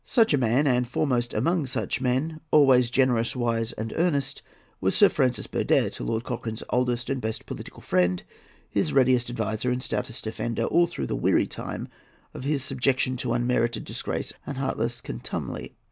Such a man, and foremost among such men, always generous, wise, and earnest, was Sir Francis Burdett, Lord Cochrane's oldest and best political friend, his readiest adviser and stoutest defender all through the weary time of his subjection to unmerited disgrace and heartless contumely.